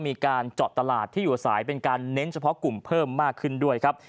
มีการเจาะตลาดที่อยู่สายเป็นการเน้นเฉพาะกลุ่มเพิ่มมากขึ้นด้วยครับ